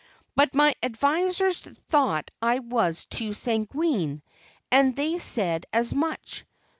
But my advisers thought I was too sanguine, and they said as much.